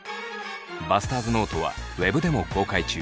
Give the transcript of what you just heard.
バスターズノートはウェブでも公開中。